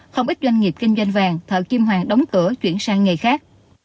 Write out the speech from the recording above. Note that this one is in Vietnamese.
không ít doanh nghiệp kinh doanh vàng thợ kim hoàng đóng cửa chuyển sang nghề khác